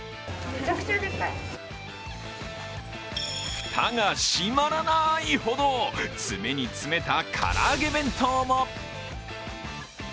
蓋が閉まらなーいほど詰めに詰めた唐揚げ弁当も。